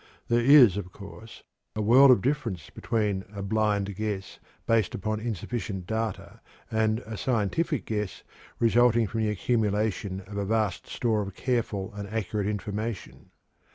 There is, of course, a world of difference between a "blind guess" based upon insufficient data and a "scientific guess" resulting from the accumulation of a vast store of careful and accurate information.